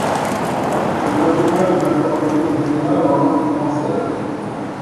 C'est un journal d'informations générales en langue française.